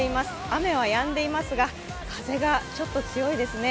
雨はやんでいますが、風がちょっと強いですね。